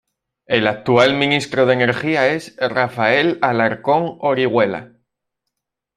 El actual ministro de Energía es Rafael Alarcón Orihuela.